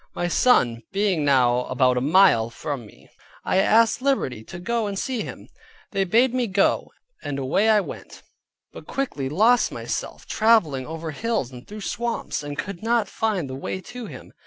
My son being now about a mile from me, I asked liberty to go and see him; they bade me go, and away I went; but quickly lost myself, traveling over hills and through swamps, and could not find the way to him.